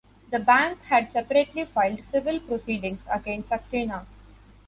The bank had separately filed civil proceedings against Saxena.